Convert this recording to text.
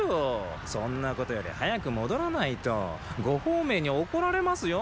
そんなことより早く戻らないと呉鳳明に怒られますよ。